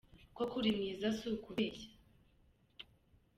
Koko uri mwiza si ukubeshya